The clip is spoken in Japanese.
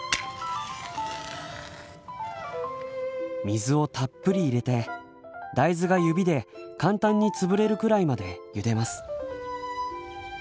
水をたっぷり入れて大豆が指で簡単に潰れるくらいまでゆでます。